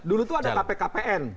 dulu itu ada kpkpn